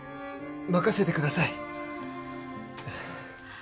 任せてください